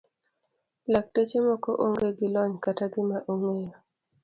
Lakteche moko onge gi lony kata gima ong'eyo.